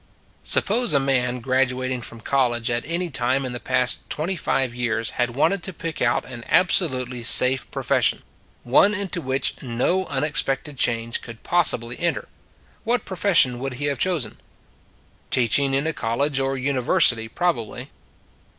Suppose a man graduating from college at any time in the past twenty five years had wanted to pick out an absolutely safe profession, one into which no unexpected change could possibly enter, what pro fession would he have chosen? Teaching in a college or university, prob ably.